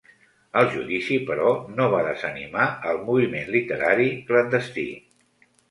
El judici, però, no va desanimar el moviment literari clandestí.